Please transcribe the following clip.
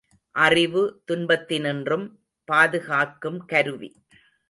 அறிவு துன்பத்தினின்றும் பாதுகாக்கும் கருவி.